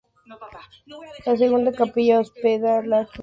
La segunda capilla hospeda la sacristía de la cripta.